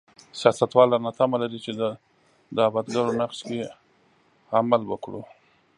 سیاستوال رانه تمه لري چې دعوتګرو نقش کې عمل وکړو.